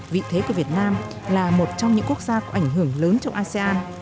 vị thế của việt nam là một trong những quốc gia có ảnh hưởng lớn trong asean